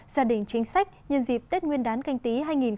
gia đình chính sách nhân dịp tết nguyên đán canh tí hai nghìn hai mươi